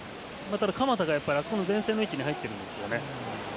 ただ、鎌田があの前線の位置に入っているんですね。